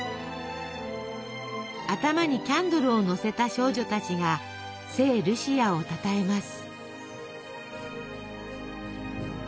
頭にキャンドルをのせた少女たちが聖ルシアをたたえます。